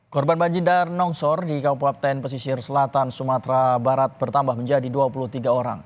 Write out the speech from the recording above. korban banjidar nongsor di kauplap sepuluh pesisir selatan sumatera barat bertambah menjadi dua puluh tiga orang